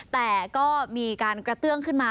แต่ก็มีการกระเตื้องขึ้นมา